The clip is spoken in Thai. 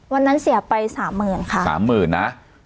เสียไปสามหมื่นค่ะสามหมื่นนะ